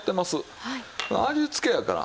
味つけやから。